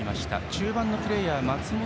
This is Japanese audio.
中盤のプレーヤー、松本凪